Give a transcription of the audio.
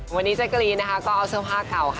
วันนี้เจ๊กรีก็เอาเสื้อผ้าเก่า